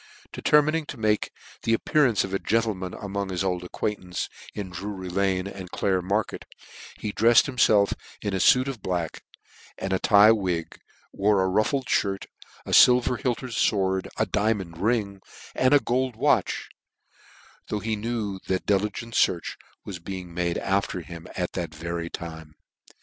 Determining to make the appearance of a gentleman among his old acquaintance in Drury lane and Clare mar ket, he drefied himfelf in a fuit of black and a tye wig, wore a ruffled fhirt, a filver hiked fword, a diamond ring, and a gold watch ; though he knew that diligent fearch was making after him at that very time.